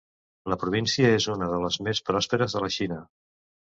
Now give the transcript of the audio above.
La província és una de les més pròsperes de la Xina.